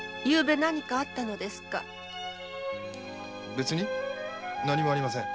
別に何もありません。